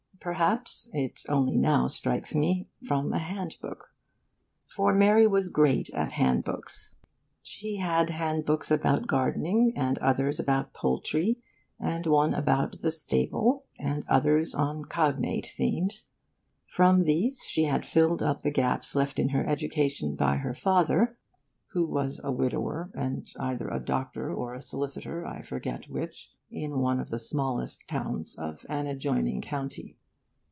Perhaps (it only now strikes me) from a handbook. For Mary was great at handbooks. She had handbooks about gardening, and others about poultry, and one about 'the stable,' and others on cognate themes. From these she had filled up the gaps left in her education by her father, who was a widower and either a doctor or a solicitor I forget which in one of the smallest towns of an adjoining county.